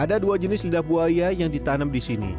ada dua jenis lidah buaya yang ditanam di sini